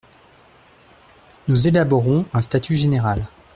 Nous élaborons un statut général.